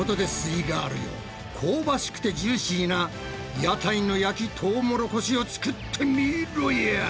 イガールよ香ばしくてジューシーな屋台の焼きトウモロコシをつくってみろや！